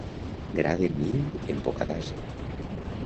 Gra de mill en boca d'ase.